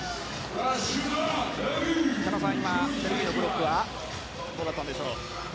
狩野さん、今ブロックはどうだったんでしょう。